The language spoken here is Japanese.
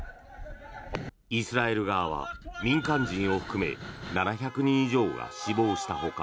イスラエル側は民間人を含め７００人以上が死亡したほか